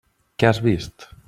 Què has vist?